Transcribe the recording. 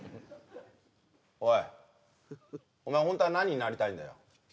おいお前ホントは何になりたいんだよ？